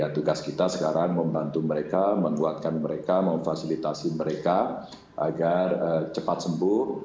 tugas kita sekarang membantu mereka menguatkan mereka memfasilitasi mereka agar cepat sembuh